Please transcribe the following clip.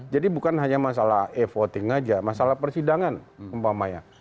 jadi bukan hanya masalah e voting saja masalah persidangan umpamanya